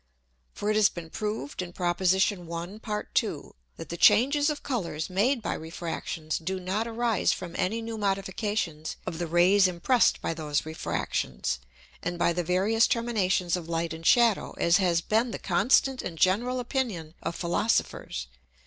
_ For it has been proved (in Prop. 1. Part 2.) that the changes of Colours made by Refractions do not arise from any new Modifications of the Rays impress'd by those Refractions, and by the various Terminations of Light and Shadow, as has been the constant and general Opinion of Philosophers.